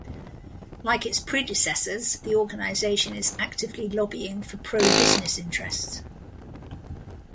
Like its predecessors, the organisation is actively lobbying for pro-business interests.